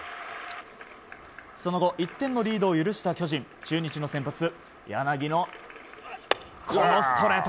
その後１点のリードを許した巨人中日の先発、柳のストレート